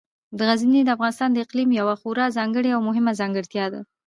غزني د افغانستان د اقلیم یوه خورا ځانګړې او مهمه ځانګړتیا ده.